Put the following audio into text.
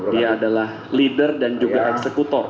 dia adalah leader dan juga eksekutor